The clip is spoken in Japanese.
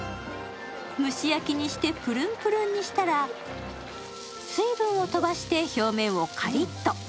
蒸し焼きにしてプルンプルンにしたら水分を飛ばして表面をカリッと。